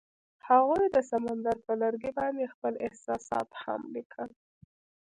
هغوی د سمندر پر لرګي باندې خپل احساسات هم لیکل.